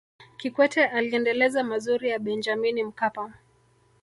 kikwete aliendeleza mazuri ya benjamini mkapa